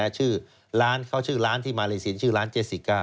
เขาชื่อร้านที่มาเลเซียชื่อร้านเจสสิก้า